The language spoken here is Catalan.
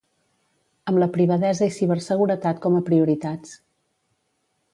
Amb la privadesa i ciberseguretat com a prioritats.